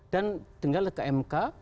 dan tinggal ke mk